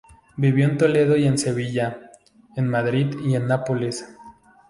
Vivió en Toledo y en Sevilla, en Madrid y en Nápoles.